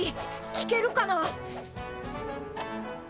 聞けるかな？